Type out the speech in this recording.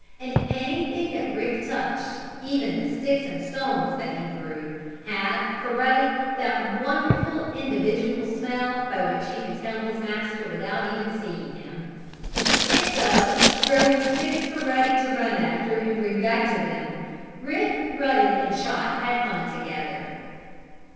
And anything that Rick touched, even the sticks and stones that he threw, had, for Ruddy, that wonderful individual smell by which he could tell his master even without seeing him. And so, throwing sticks for Ruddy to run after and bring back to them, Rick, Ruddy and Chot had fun together.